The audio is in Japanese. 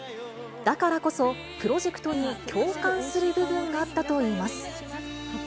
だからこそ、プロジェクトに共感する部分があったといいます。